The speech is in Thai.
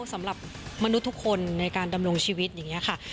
สำหรับมนุษย์ทุกคนในการดำรงชีวิตอย่างนี้ค่ะ